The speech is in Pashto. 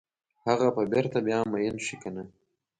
هغه به بیرته بیا میین شي کنه؟